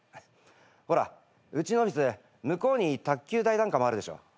ほらうちのオフィス向こうに卓球台なんかもあるでしょ。